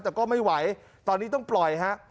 แต่ก็ไม่ไหวตอนนี้ต้องปล่อยฮะ